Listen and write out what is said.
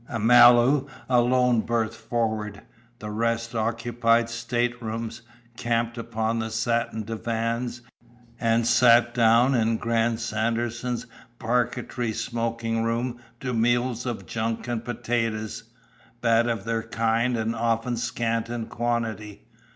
Amalu alone berthed forward; the rest occupied staterooms, camped upon the satin divans, and sat down in Grant Sanderson's parquetry smoking room to meals of junk and potatoes, bad of their kind and often scant in quantity.